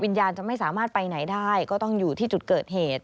จะไม่สามารถไปไหนได้ก็ต้องอยู่ที่จุดเกิดเหตุ